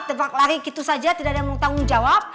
tebak lari gitu saja tidak ada yang bertanggung jawab